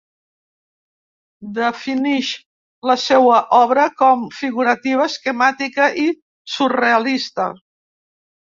Definix la seua obra com figurativa, esquemàtica i surrealista.